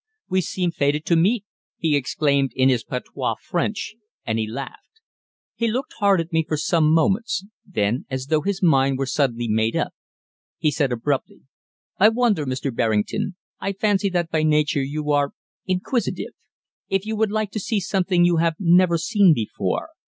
"We seem fated to meet!" he exclaimed in his patois French, and he laughed. He looked hard at me for some moments; then, as though his mind were suddenly made up, he said abruptly: "I wonder, Mr. Berrington I fancy that by nature you are inquisitive if you would like to see something you have never seen before.